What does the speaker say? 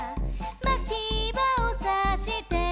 「まきばをさして」